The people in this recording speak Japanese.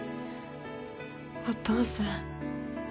お父さん。